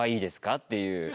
っていうえ！